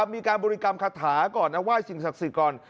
มีการบริกรรมคาถาก่อนนะไหว้สิ่งศักดิ์สิทธิ์ก่อน